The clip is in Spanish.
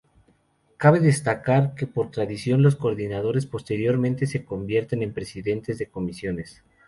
Cabe destacar que por tradición los coordinadores posteriormente se convierten en Presidentes de Comisiones.